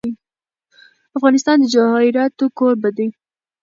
افغانستان د جواهرات کوربه دی.